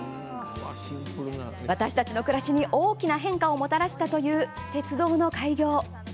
私たちの暮らしに大きな変化をもたらしたという、鉄道の開業。